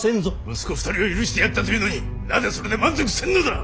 息子２人は許してやったというのになぜそれで満足せんのだ！